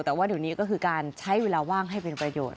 แต่ว่าเดี๋ยวนี้ก็คือการใช้เวลาว่างให้เป็นประโยชน์